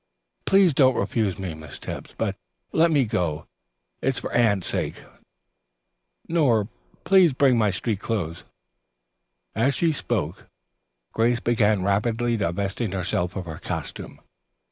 Please don't refuse me, Miss Tebbs, but let me go. It's for Anne's sake. Nora, please bring me my street clothes." As she spoke, Grace began rapidly divesting herself of her costume.